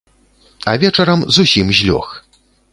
А вечарам зусім злёг.